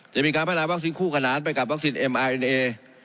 จะมีการพัดลาวัคซีนคู่ขนาดไปกับบัตรเบิ้ลอินอิเนร์